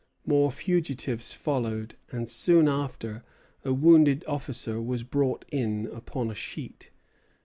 More fugitives followed; and soon after a wounded officer was brought in upon a sheet.